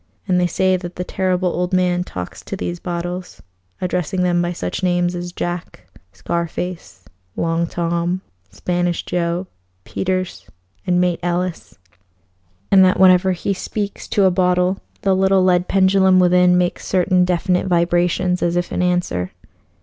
And they say that the Terrible Old Man talks to these bottles, addressing them by such names as Jack, Scar Face, Long Tom, Spanish Joe, Peters, and Mate Ellis, and that whenever he speaks to a bottle the little lead pendulum within makes certain definite vibrations as if in answer.